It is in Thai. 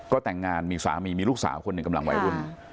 ก็แต่งงานมีสามีมีลูกสาวคนหนึ่งกำลังวัยรุ่น